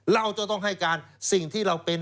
เราจะต้องให้การสิ่งที่เราเป็น